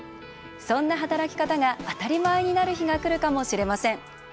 そんな働き方が当たり前になる日がくるかもしれません。